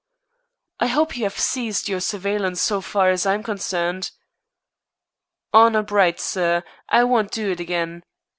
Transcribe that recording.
"I hope you have ceased your surveillance so far as I am concerned." "Honor bright, sir. I won't do it again.